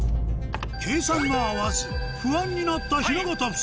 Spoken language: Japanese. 計算が合わず不安になった雛形夫妻